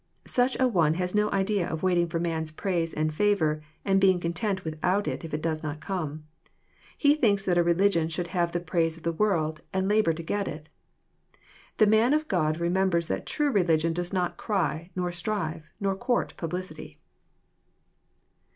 Such an one has no idea of waiting for man*s praise and favour, and being content without it if it does not come. He thinks that a religion should have the praise of the world, and labour to get it. The man of God remembers that true religion does not cry, nor strive," nor court publicity.